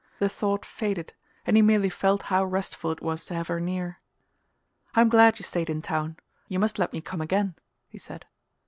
The thought faded, and he merely felt how restful it was to have her near... "I'm glad you stayed in town: you must let me come again," he said.